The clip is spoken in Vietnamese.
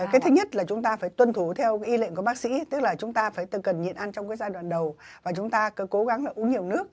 cái thứ nhất là chúng ta phải tuân thủ theo ý lệnh của bác sĩ tức là chúng ta cần nhịn ăn trong giai đoạn đầu và chúng ta cố gắng uống nhiều nước